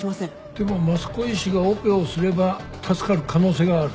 でも益子医師がオペをすれば助かる可能性がある。